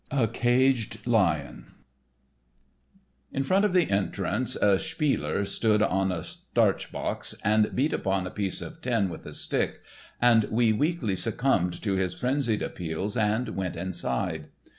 *A Caged Lion* In front of the entrance a "spieler" stood on a starch box and beat upon a piece of tin with a stick, and we weakly succumbed to his frenzied appeals and went inside.